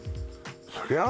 そりゃあ